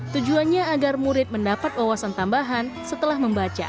tujuannya agar murid mendapat wawasan tambahan setelah membaca